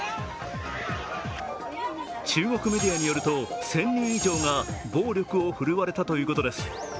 中国メディアによると１０００人以上が暴力を振るわれたということです。